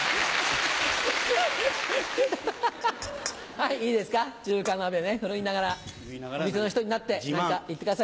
はいいいですか中華鍋ね振るいながらお店の人になって何か言ってくださいよ。